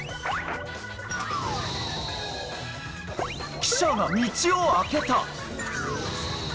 記者が道をあけた。